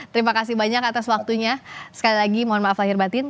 terima kasih banyak atas waktunya sekali lagi mohon maaf lahir batin